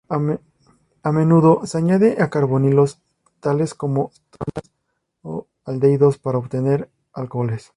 A menudo se añade a carbonilos, tales como cetonas o aldehídos para obtener alcoholes.